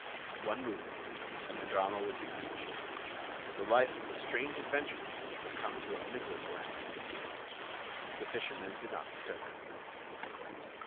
One movement, and the drama would be finished; the life of the strange adventurer would come to a miserable end. The fisherman did not stir.